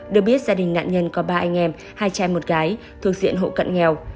được biết gia đình nạn nhân có ba anh em hai cha một gái thuộc diện hộ cận nghèo